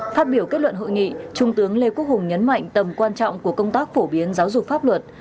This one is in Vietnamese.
phát biểu kết luận hội nghị trung tướng lê quốc hùng nhấn mạnh tầm quan trọng của công tác phổ biến giáo dục pháp luật